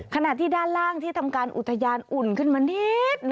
ขณะที่ด้านล่างที่ทำการอุทยานอุ่นขึ้นมานิด